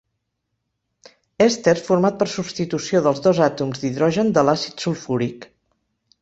Èster format per substitució dels dos àtoms d'hidrogen de l'àcid sulfúric.